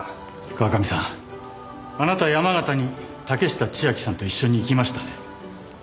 川上さんあなた山形に竹下千晶さんと一緒に行きましたね？